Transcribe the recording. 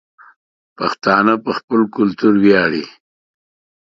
پښتانه په خپل کلتور وياړي